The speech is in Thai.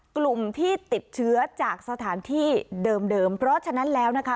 กลุ่มที่ติดเชื้อจากสถานที่เดิมเพราะฉะนั้นแล้วนะคะ